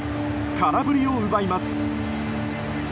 空振りを奪います。